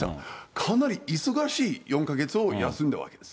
かなり忙しい４か月を休んだわけです。